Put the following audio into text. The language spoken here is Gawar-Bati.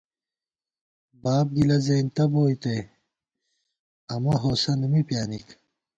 باب گِلہ زېنہ بوئیتے امہ ہوسند می پیانِک